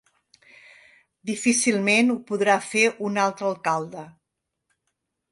Difícilment ho podrà fer un altre alcalde.